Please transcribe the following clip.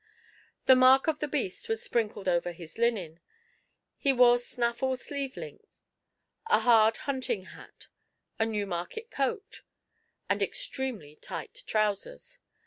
The mark of the beast was sprinkled over his linen: he wore snaffle sleeve links, a hard hunting hat, a Newmarket coat, and extremely tight trousers.